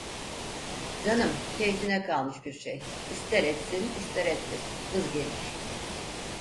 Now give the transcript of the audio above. Canım, keyfine kalmış bir şey, ister etsin ister etmesin, vız gelir.